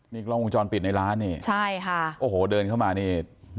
นี่กล้องวงจรปิดในร้านนี่ใช่ค่ะโอ้โหเดินเข้ามานี่